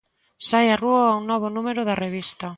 Sae a rúa un novo número da revista.